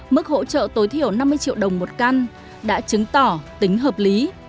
mức hỗ trợ tối thiểu năm mươi triệu đồng một căn đã chứng tỏ tính hợp lý